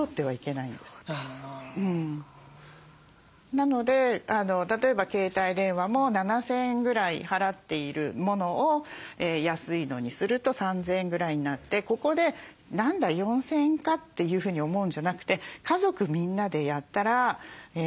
なので例えば携帯電話も７，０００円ぐらい払っているものを安いのにすると３，０００円ぐらいになってここで「何だ４，０００円か」というふうに思うんじゃなくて家族みんなでやったらどうなるんだろうって。